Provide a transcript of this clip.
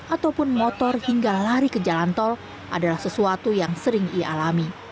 ataupun motor hingga lari ke jalan tol adalah sesuatu yang sering ia alami